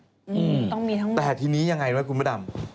อืมต้องมีทั้งหมดแต่ทีนี้ยังไงรู้ไหมคุณพระดำ